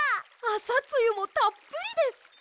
あさつゆもたっぷりです！